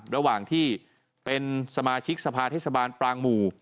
ระหว่างที่เป็นสมาชิกสภาเทศบาลปรางหมู่